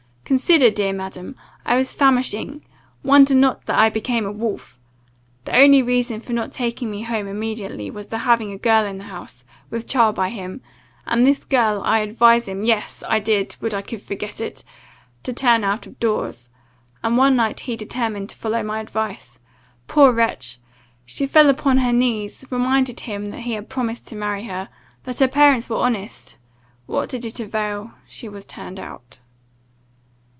Consider, dear madam, I was famishing: wonder not that I became a wolf! The only reason for not taking me home immediately, was the having a girl in the house, with child by him and this girl I advised him yes, I did! would I could forget it! to turn out of doors: and one night he determined to follow my advice. Poor wretch! She fell upon her knees, reminded him that he had promised to marry her, that her parents were honest! What did it avail? She was turned out.